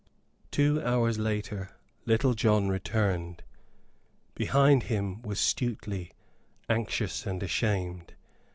Two hours later Little John returned. Behind him was Stuteley, anxious and ashamed.